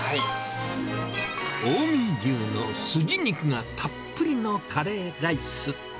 近江牛のスジ肉がたっぷりのカレーライス。